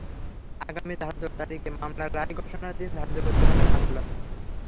আগামী ধার্য তারিখে মামলার রায় ঘোষণার দিন ধার্য করতে পারেন আদালত।